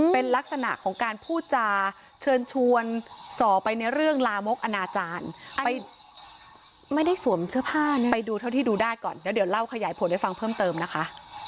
เป็นลักษณะของการพูดจาเชิญชวนส่อไปในเรื่องลามกอนาจารย์ไปไม่ได้สวมเสื้อผ้าเนี่ยไปดูเท่าที่ดูได้ก่อนเดี๋ยวเล่าขยายผลให้ฟังเพิ่มเติมนะคะ